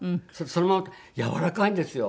そのままやわらかいんですよ。